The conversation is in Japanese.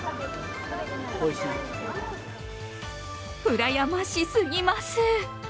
うらやましすぎます！